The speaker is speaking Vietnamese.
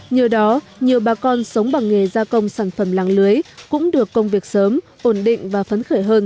nhờ đó nhiều bà con sống bằng nghề gia công sản phẩm làng lưới cũng được công việc sớm ổn định và phấn khởi hơn